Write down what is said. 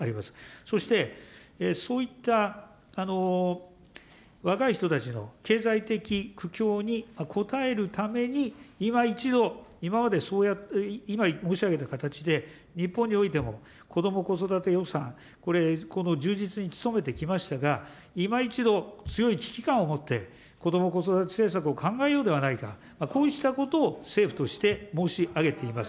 そして、そういった若い人たちの経済的苦境に応えるために、いま一度、今までそうやって、今申し上げた形で、日本においても、こども・子育て予算、これ、この充実に努めてきましたが、今一度、強い危機感を持って、こども・子育て政策を考えようではないか、こうしたことを政府として申し上げています。